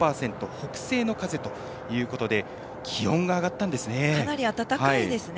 北西の風ということで気温が上がったんですね。